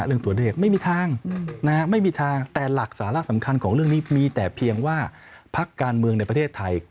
เรื่องตัวเลขไม่มีทางนะฮะไม่มีทางแต่หลักสาระสำคัญของเรื่องนี้